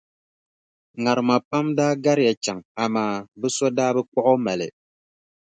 Ŋarima pam daa gariya chaŋ amaa bɛ so daa bi kpuɣi o mali.